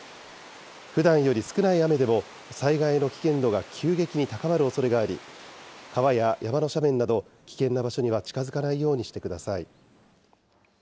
ふだんより少ない雨でも、災害への危険度が急激に高まるおそれがあり、川や山の斜面など、危険な場所には近づかないようにしてください。